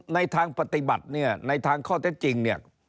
ในทางปฏิบัติในทางาวแรกจริง